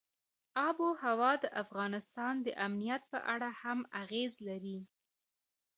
آب وهوا د افغانستان د امنیت په اړه هم اغېز لري.